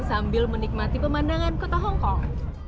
sambil menikmati pemandangan kota hongkong